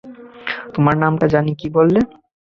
তোমার নামটা জানি কী বললে?